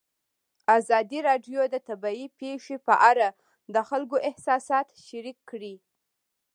ازادي راډیو د طبیعي پېښې په اړه د خلکو احساسات شریک کړي.